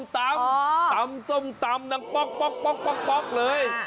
ส้มตำตำส้มตำนะป๊อกเลย